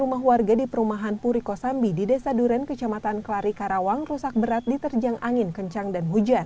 rumah warga di perumahan puriko sambi di desa duren kecamatan kelari karawang rusak berat diterjang angin kencang dan hujan